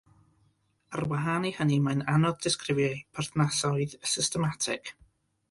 Ar wahân i hynny, mae'n anodd disgrifio eu perthnasoedd systematig.